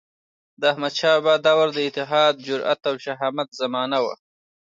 د احمدشاه بابا دور د اتحاد، جرئت او شهامت زمانه وه.